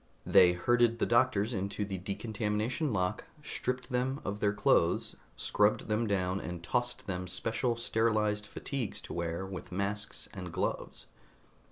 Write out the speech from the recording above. They herded the doctors into the decontamination lock, stripped them of their clothes, scrubbed them down and tossed them special sterilized fatigues to wear with masks and gloves.